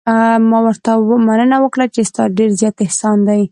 ما ورته مننه وکړه چې ستا ډېر زیات احسان دی.